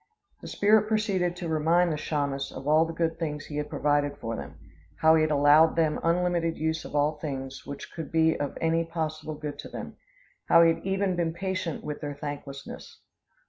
The spirit proceeded to remind the Chaymas of all the good things he had provided for them; how he had allowed them unlimited use of all things which could be of any possible good to them; how he had even been patient with their thanklessness.